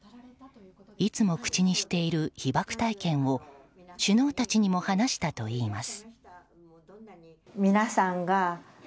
いつも口にしている被爆体験を首脳たちにも話したといいます。